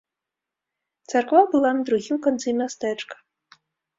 Царква была на другім канцы мястэчка.